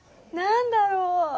何だろう？